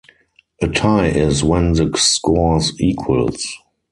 A tie is when the scores equals.